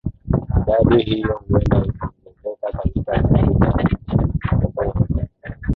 idadi hiyo huenda ikaongezeka katika siku za hivi karibuni